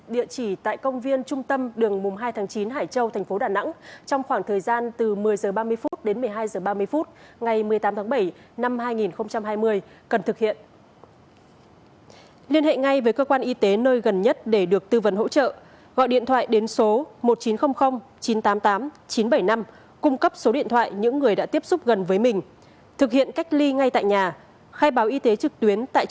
địa chỉ tại công viên trung tâm đường hai tháng chín hải châu tp đà nẵng trong khoảng thời gian từ một mươi h ba mươi đến một mươi hai h ba mươi ngày một mươi tám tháng bảy